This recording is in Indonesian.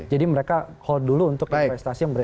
jadi mereka hold dulu untuk investasi yang beres